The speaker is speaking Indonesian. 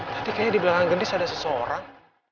tapi kayaknya di belakang geng dis ada seseorang